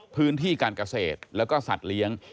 พื้นที่การเกษตรแล้วก็สัตว์เลี้ยง